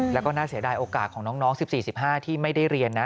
แล้วก็น่าเสียดายโอกาสของน้อง๑๔๑๕ที่ไม่ได้เรียนนะ